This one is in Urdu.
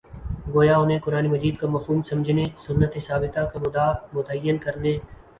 گویا انھیں قرآنِ مجیدکامفہوم سمجھنے، سنتِ ثابتہ کا مدعا متعین کرنے